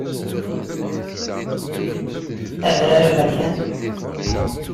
Adrar aberkan.